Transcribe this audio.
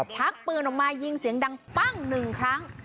ชักปืนออกมายิงเสียงดังปั้งหนึ่งครั้ง